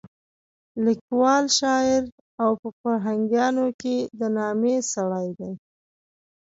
لیکوال، شاعر او په فرهنګیانو کې د نامې سړی دی.